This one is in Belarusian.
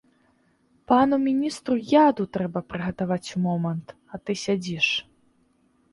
Пану міністру яду трэба прыгатаваць у момант, а ты сядзіш.